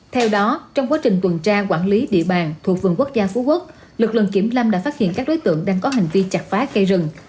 theo đó trong quá trình tuần tra quản lý địa bàn thuộc vườn quốc gia phú quốc lực lượng kiểm lâm đã phát hiện các đối tượng đang có hành vi chặt phá cây rừng